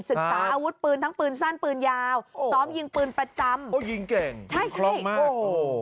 ศึกษาอาวุธปืนทั้งปืนสั้นปืนยาวซ้อมยิงปืนประจำโอ้ยิงเก่งใช่ช็อกมากโอ้โห